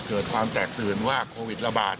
เกิดความแตกตื่นว่าโควิดระบาด